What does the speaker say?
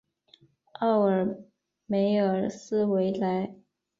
奥尔梅尔斯维莱。